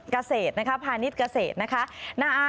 เกษตรนะคะพาณิชย์เกษตรนะคะ